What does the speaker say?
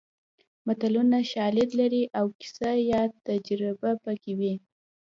متلونه شالید لري او کیسه یا تجربه پکې وي